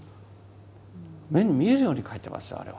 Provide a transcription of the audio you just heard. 目に見えるように書いてますよあれは。